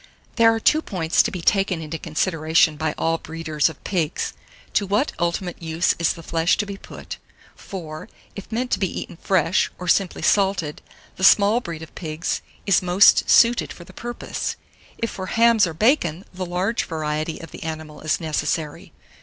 788. THERE ARE TWO POINTS to be taken into consideration by all breeders of pigs to what ultimate use is the flesh to be put; for, if meant to be eaten fresh, or simply salted, the small breed of pigs is host suited for the purpose; if for hams or bacon, the large variety of the animal is necessary.